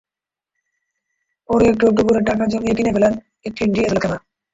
পরে একটু একটু করে টাকা জমিয়ে কিনে ফেলেন একটি ডিএসএলআর ক্যামেরা।